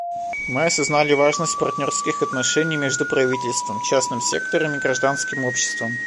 Мы осознали важность партнерских отношений между правительством, частным сектором и гражданским обществом.